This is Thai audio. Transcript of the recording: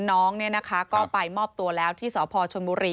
น้องนี่นะคะก็ไปมอบตัวแล้วที่สภชมภูมิ